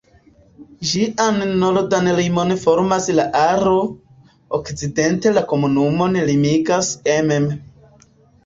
Ĝian nordan limon formas la Aro, okcidente la komunumon limigas Emme.